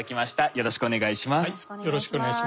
よろしくお願いします。